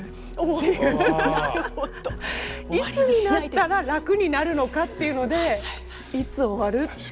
いつになったら楽になるのかっていうので「いつ終わる」って。